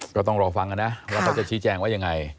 ก็ต้องรอฟังกันนะว่าเขาจะชี้แจงว่ายังไง